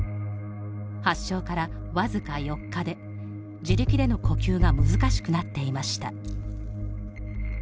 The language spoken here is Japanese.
発症から僅か４日で自力での呼吸が難しくなっていました。